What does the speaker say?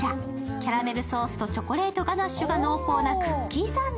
キャラメルソースとチョコレートガナッシュが濃厚なクッキーサンド。